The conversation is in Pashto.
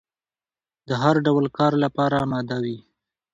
د هر ډول کار لپاره اماده وي.